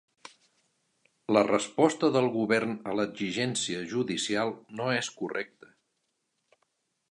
La resposta del govern a l’exigència judicial no és correcta.